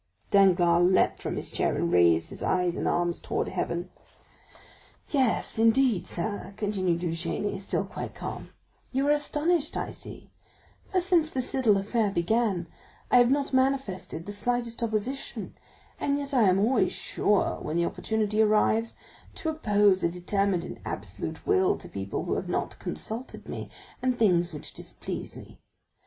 Danglars leaped from his chair and raised his eyes and arms towards heaven. 40298m "Yes, indeed, sir," continued Eugénie, still quite calm; "you are astonished, I see; for since this little affair began, I have not manifested the slightest opposition, and yet I am always sure, when the opportunity arrives, to oppose a determined and absolute will to people who have not consulted me, and things which displease me.